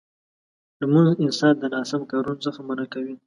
لمونځ انسان د ناسم کارونو څخه منع کوي.